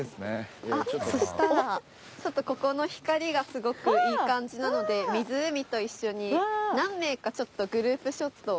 あっそしたらちょっとここの光がすごくいい感じなので湖と一緒に何名かちょっとグループショットを。